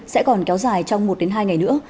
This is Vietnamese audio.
sẽ còn kéo dài trong một hai ngày nữa